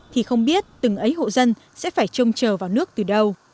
thì không biết từng ấy hộ dân sẽ phải trông chờ vào nước từ đâu